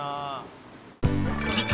［次回］